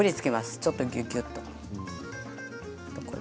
ちょっと、ぎゅぎゅっと。